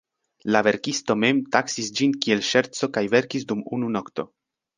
La verkisto mem taksis ĝin kiel "ŝerco" kaj verkis dum unu nokto.